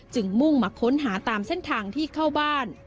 มุ่งมาค้นหาตามเส้นทางที่เข้าบ้าน